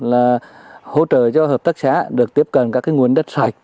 là hỗ trợ cho hợp tác xã được tiếp cận các nguồn đất sạch